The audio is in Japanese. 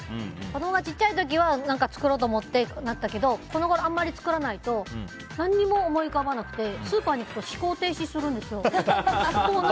子供が小さい時は何か作ろうってなったけどこのごろあんまり作らないと何も思い浮かばなくてスーパーに行くと思考停止するんですよ。